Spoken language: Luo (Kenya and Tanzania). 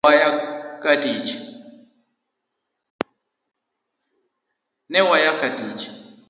Ne waya katich